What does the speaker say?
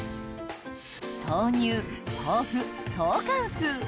豆乳豆腐トーカンスー